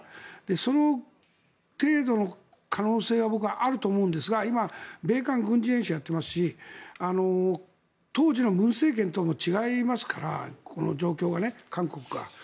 その程度の可能性があると思うんですが米韓軍事演習をやっていますし当時の文政権とも違いますからこの状況がね、韓国が。